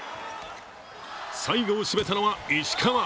最後を締めたのは、石川。